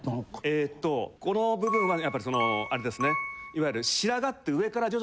えっとこの部分はねやっぱりそのあれですねいわゆる。